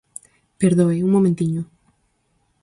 Perdoe, un momentiño.